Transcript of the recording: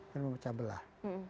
dan memecah belah